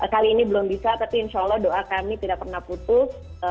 kali ini belum bisa tapi insya allah doa kami tidak pernah putus